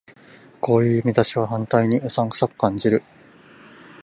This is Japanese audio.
こういう見出しは反対にうさんくさく感じる